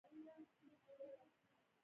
د نجونو تعلیم ټولنه له تیارو څخه راباسي.